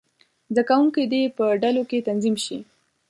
زده کوونکي دې په ډلو کې تنظیم شي.